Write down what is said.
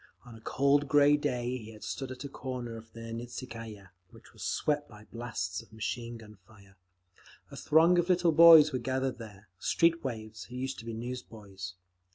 On a cold grey day he had stood at a corner of the Nikitskaya, which was swept by blasts of machine gun fire. A throng of little boys were gathered there—street waifs who used to be newsboys.